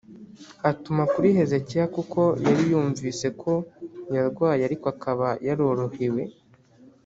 atuma kuri Hezekiya kuko yari yumvise ko yarwaye ariko akaba yarorohewe,